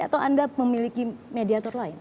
atau anda memiliki mediator lain